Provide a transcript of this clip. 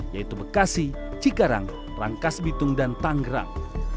yaitu bekasi cikarang rangkas bitung dan tanggerang